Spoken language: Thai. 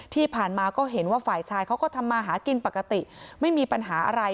ที่ผ่านมาก็เห็นว่าฝ่ายชายเขาก็ทำมาหากินปกติไม่มีปัญหาอะไร